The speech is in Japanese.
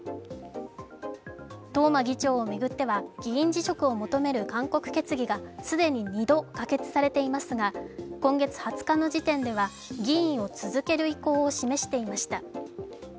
東間議長を巡っては、議員辞職を求める勧告決議が既に２度、可決されていますが、今月２０日の時点では議員を続ける意向を示していました。